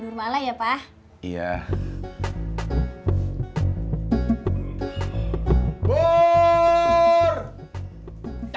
bungka nasibky pasti akan terlihat